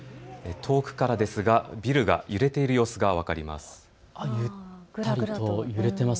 遠くからですがビルが揺れている様子が分かります。